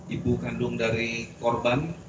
ibu kandung dari korban